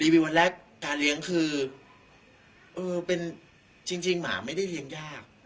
วันแรกการเลี้ยงคือเออเป็นจริงหมาไม่ได้เลี้ยงยาก